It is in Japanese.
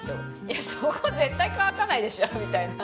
いやそこ絶対乾かないでしょみたいな。